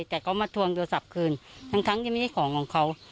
แต่เขามาทวงโทรศัพท์คืนทั้งที่ไม่ใช่ของของเขา